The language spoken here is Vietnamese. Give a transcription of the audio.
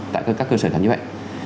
tại các cơ sở tham dự bệnh